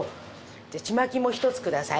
じゃあちまきも１つください。